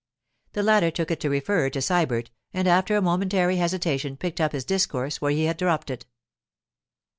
The latter took it to refer to Sybert, and after a momentary hesitation picked up his discourse where he had dropped it.